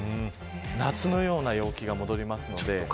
夏のような陽気が戻りますので。